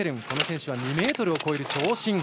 この選手は２ｍを超える長身。